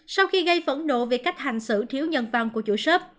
sau khi gây phẫn độ về cách hành xử thiếu nhân văn của chủ shop